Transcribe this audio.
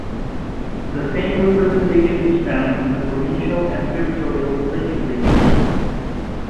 The same representation is found in the provincial and territorial legislatures.